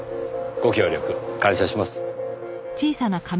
ご協力感謝します。